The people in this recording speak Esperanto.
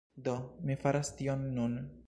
Do, mi faras tion nun